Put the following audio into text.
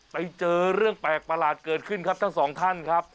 ไปเจอเรื่องแปลกประหลาดเกิดขึ้นครับทั้งสองท่านครับ